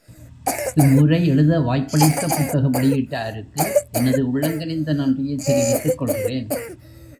இவ்வுரை எழுத வாய்ப்பளித்த புத்தக வெளியீட்டாருக்கு எனது உளங்கனிந்த நன்றியைத் தெரிவித்துக் கொள்கிறேன்.